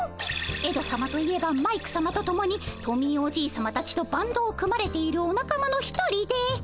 エドさまと言えばマイクさまとともにトミーおじいさまたちとバンドを組まれているお仲間の一人で。